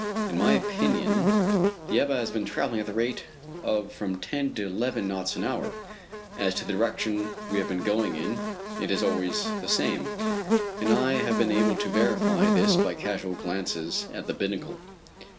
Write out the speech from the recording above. In my opinion the Ebba has been travelling at the rate of from ten to eleven knots an hour. As to the direction we have been going in, it is always the same, and I have been able to verify this by casual glances at the binnacle.